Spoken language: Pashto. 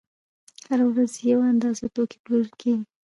هره ورځ یوه اندازه توکي پلورل کېږي